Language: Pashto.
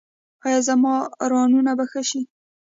ایا زما رانونه به ښه شي؟